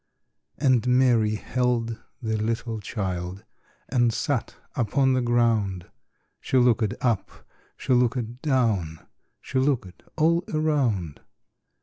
And Mary held the little child And sat upon the ground; She looked up, she looked down, She looked all around.